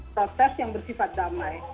protes yang bersifat damai